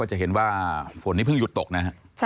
เห็นว่าฝนนี้เพิ่งหยุดตกนะครับ